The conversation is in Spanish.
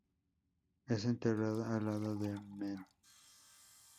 Es enterrada al lado de Mem.